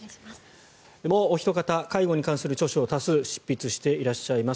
もうおひと方介護に関する著書を多数執筆していらっしゃいます